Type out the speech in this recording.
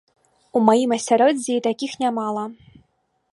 У маім асяроддзі такіх нямала.